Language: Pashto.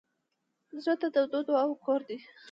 زړه د تودو دعاوو کور دی.